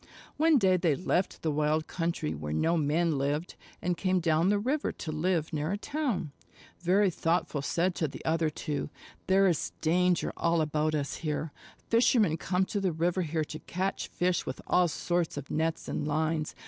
One day they left the wild country where no men lived, and came down the river to live near a town. Very Thoughtful said to the other two: "There is danger all about us here. Fishermen come to the river here to catch fish with all sorts of nets and lines.